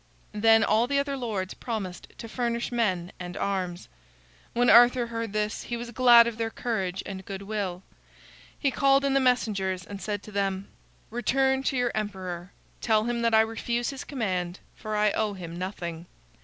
Then all the other lords promised to furnish men and arms. When Arthur heard this, he was glad of their courage and good will. He called in the messengers and said to them: "Return to your emperor. Tell him that I refuse his command, for I owe him nothing.